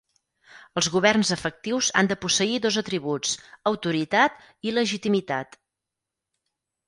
Els governs efectius han de posseir dos atributs: autoritat i legitimitat.